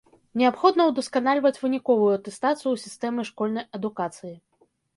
Неабходна удасканальваць выніковую атэстацыю ў сістэме школьнай адукацыі.